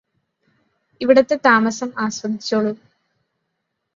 ഇവിടത്തെ താമസം ആസ്വദിച്ചോളു